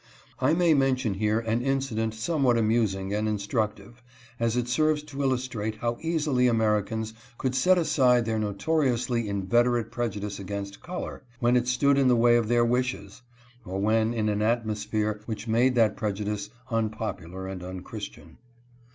I may mention here an incident somewhat amusing and instructive, as it serves to illustrate how easily Americans could set aside their notoriously inveterate prejudice against color, when it stood in the way of their wishes, or when in an atmosphere which made that preju dice unpopular and unchristian.